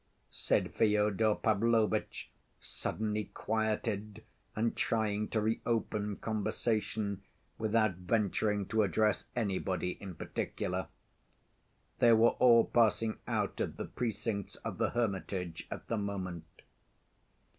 said Fyodor Pavlovitch, suddenly quieted and trying to reopen conversation without venturing to address anybody in particular. They were all passing out of the precincts of the hermitage at the moment.